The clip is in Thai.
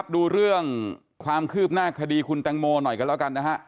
ดูเรื่องความคืบหน้าคดีคุณแตงโมหน่อยกันแล้วกันนะฮะ